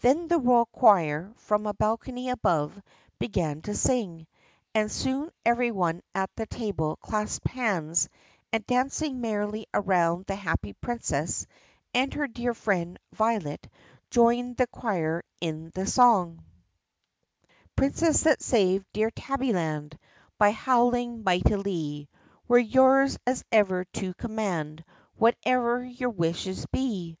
Then the royal choir, from a balcony above, began to sing. And soon every one at the table clasped hands and, dancing merrily around the happy Princess and her dear friend Violet, joined the choir in their song: Princess that saved dear Tabbyland By howling mightilee, We 're yours, as ever, to command Whate'er your wishes be!